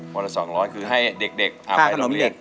วันละ๒๐๐คือให้เด็ก